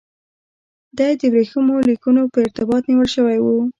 دی د ورېښمینو لیکونو په ارتباط نیول شوی و.